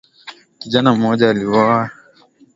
kijana mmoja aliuawa katika chumba cha kulala cha msichana